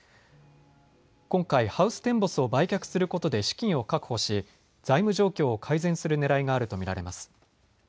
今回、ハウステンボスを売却することで資金を確保し財務状況を改善するねらいがあると見られます。